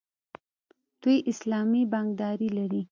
دوی اسلامي بانکداري لري.